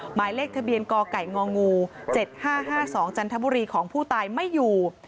หมายเลขทะเบียนกไก่ง๗๕๕๒จันทบุรีของผู้ตายไม่อยู่